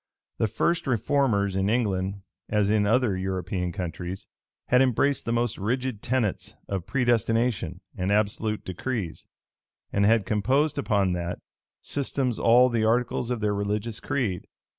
The first reformers in England, as in other European countries, had embraced the most rigid tenets of predestination and absolute decrees, and had composed upon that, system all the articles of their religious creed.